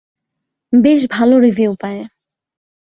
বেশ ভালো রিভিউ পায়।